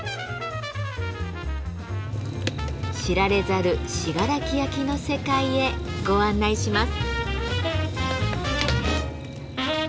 知られざる信楽焼の世界へご案内します。